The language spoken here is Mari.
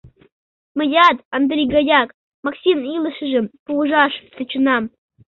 Мыят, Андри гаяк, Максин илышыжым пужаш тӧченам.